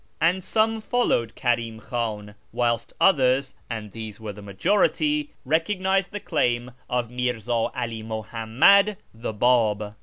And some followed Karim Khan, whilst others (and these were the majority) recognised the claim of Mirza 'All Muhammad the Bab.